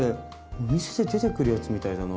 お店で出てくるやつみたいだな。